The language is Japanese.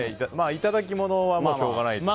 いただき物はしょうがないとして。